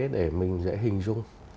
để mình dễ hình dung